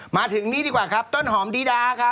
มาถึงนี่ดีกว่าครับต้นหอมดีดาครับ